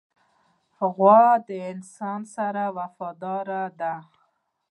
غوا د انسان سره وفاداره ده.